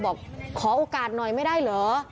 บอกขอโอกาสหน่อยไม่ได้เหรอ